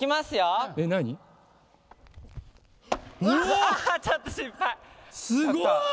すごい！